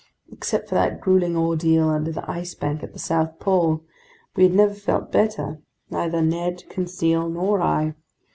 Except for that grueling ordeal under the Ice Bank at the South Pole, we had never felt better, neither Ned, Conseil, nor I.